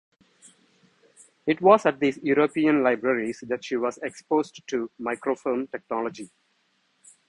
It was at these European libraries that she was exposed to microfilm technology.